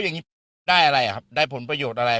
แล้วได้อะไรครับได้ผลประโยชน์อะไร